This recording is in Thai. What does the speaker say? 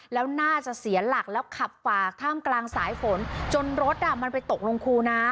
แล้วน่าจะเสียหลักแล้วขับฝากท่ามกลางสายฝนจนรถอ่ะมันไปตกลงคูน้ำ